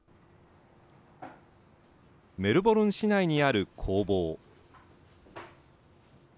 メルボルン市内にある工房。